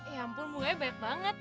ya ampun bunganya baik banget